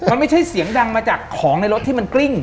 มันไม่ใช่เสียงดังมาจากของในรถที่มันกลิ้ง